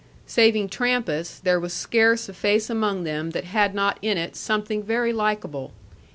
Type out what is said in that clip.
Saving Trampas, there was scarce a face among them that had not in it something very likable.